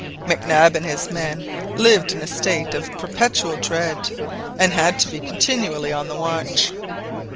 Mac Nab and his men lived in a state of perpetual dread, and had to be continually on the watch.